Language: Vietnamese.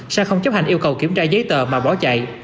xe không chấp hành yêu cầu kiểm tra giấy tờ mà bỏ chạy